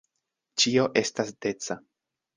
Ĉio estas deca.